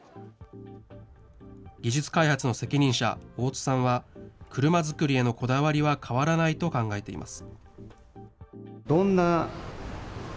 技術開発の責任者、大津さんは、車作りへのこだわりは変わらないと考えています。